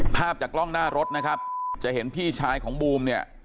ภาพจากกล้องหน้ารถนะครับจะเห็นพี่ชายของบูมเนี่ย